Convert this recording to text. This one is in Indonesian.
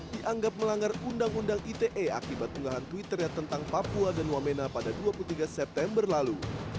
dianggap melanggar undang undang ite akibat unggahan twitternya tentang papua dan wamena pada dua puluh tiga september lalu